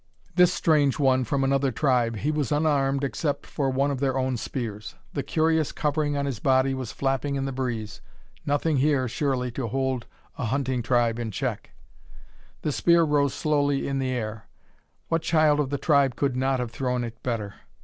This strange one from another tribe he was unarmed except for one of their own spears. The curious covering on his body was flapping in the breeze. Nothing here, surely, to hold a hunting tribe in check. The spear rose slowly in the air. What child of the tribe could not have thrown it better!